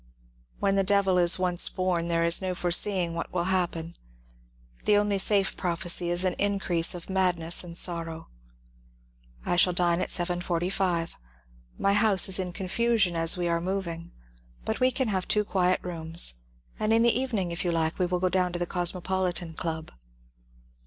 When the Devil is once born there is no foreseeing what will happen. The only safe prophecy is an increase of madness and sorrow. ^* I shall dine at 7.45. My house is in confusion, as we are moving, but we can have two quiet rooms, and in the even ing, if you like, we will go down to the Cosmopolitan Club."